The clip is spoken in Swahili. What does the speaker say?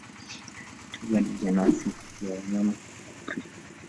Twiga ni jenasi ya wanyama ya Afrika